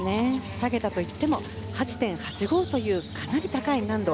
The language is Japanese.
下げたといっても８．８５というかなり高い難度。